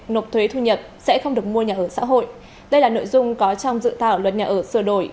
nộp thuế thu nhập sẽ không được mua nhà ở xã hội đây là nội dung có trong dự thảo luật nhà ở sửa đổi